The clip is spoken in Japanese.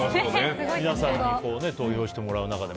皆さんにここで投票してもらった中で。